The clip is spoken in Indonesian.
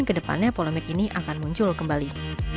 kedepannya polemik ini akan muncul kembali